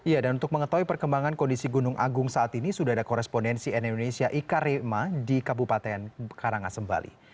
ya dan untuk mengetahui perkembangan kondisi gunung agung saat ini sudah ada korespondensi nn indonesia ika rima di kabupaten karangasem bali